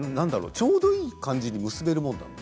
ちょうどいい感じに結べるものなの？